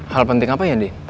hal penting apa ya di